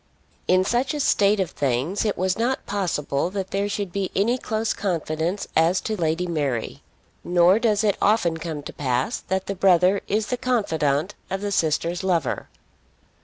In such a state of things it was not possible that there should be any close confidence as to Lady Mary. Nor does it often come to pass that the brother is the confidant of the sister's lover.